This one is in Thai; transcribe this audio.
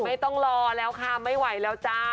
ไม่ต้องรอแล้วค่ะไม่ไหวแล้วจ้า